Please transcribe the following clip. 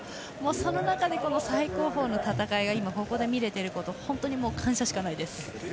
その中で最高峰の戦いを今、ここで見れていることに感謝しかないです。